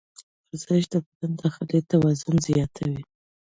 ورزش د بدن داخلي توان زیاتوي.